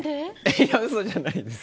いや、嘘じゃないです。